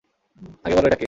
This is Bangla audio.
আগে বলো এটা কে।